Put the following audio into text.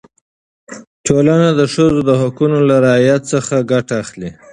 ټولنه د ښځو د حقونو له رعایت څخه ګټه اخلي.